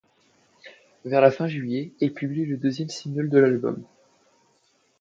Vers la fin juillet, il publie le deuxième single de l'album, '.